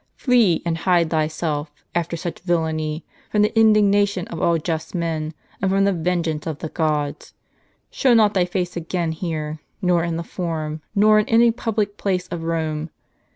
Flee, and hide thyself, after such villany, from the indignation of all just men, and from the vengeance of the gods. Show not thy face again here, nor in the Forum, nor in any public place of Rome.